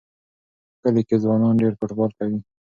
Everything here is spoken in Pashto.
په کلي کې ځوانان ډېر فوټبال کوي.